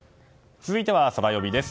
続いては、ソラよみです。